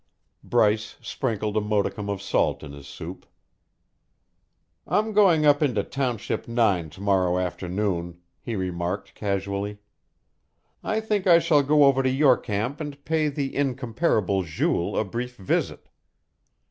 Bryce sprinkled a modicum of salt in his soup. "I'm going up into Township Nine to morrow afternoon," he remarked casually. "I think I shall go over to your camp and pay the incomparable Jules a brief visit.